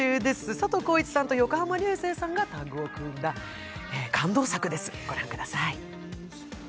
佐藤浩市さんと横浜流星さんがタッグを組んだ感動作です、ご覧ください。